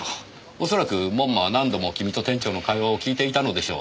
おそらく門馬は何度も君と店長の会話を聞いていたのでしょう。